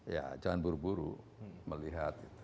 ya jangan buru buru melihat